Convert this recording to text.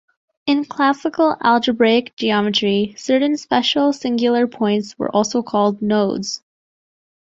In classical algebraic geometry, certain special singular points were also called nodes.